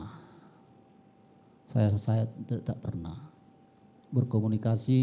hai saya saya tidak pernah berkomunikasi